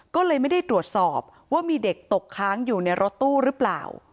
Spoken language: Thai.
ก็เลยไม่ได้ตรวจสอบว่ามีเด็กตกค้างอยู่ในรถตู้หรือเปล่า